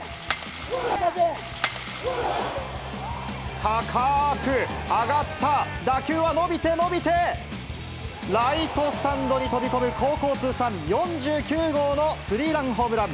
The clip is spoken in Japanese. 高く上がった打球は伸びて伸びて、ライトスタンドに飛び込む高校通算４９号のスリーランホームラン。